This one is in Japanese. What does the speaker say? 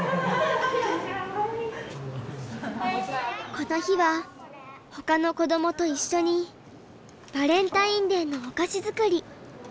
この日はほかの子どもと一緒にバレンタインデーのお菓子作り。